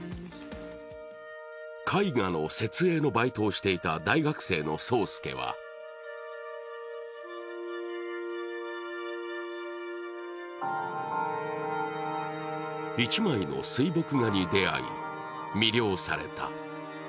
絵画の設営のバイトをしていた大学生の霜介は１枚の水墨画に出会い魅了された。